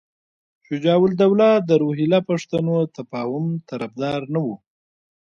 شجاع الدوله د روهیله پښتنو تفاهم طرفدار نه وو.